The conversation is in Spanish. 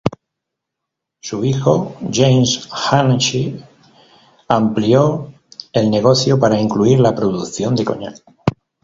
Su hijo, James Hennessy, amplió el negocio para incluir la producción de coñac.